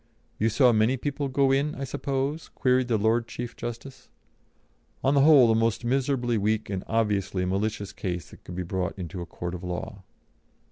"You saw many people go in, I suppose?" queried the Lord Chief Justice. On the whole the most miserably weak and obviously malicious case that could be brought into a court of law.